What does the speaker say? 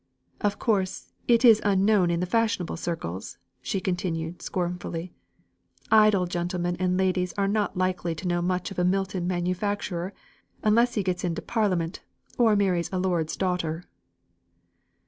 Of course, it is unknown in the fashionable circles," she continued scornfully. "Idle gentlemen and ladies are not likely to know much of a Milton manufacturer, unless he gets into parliament, or marries a lord's daughter."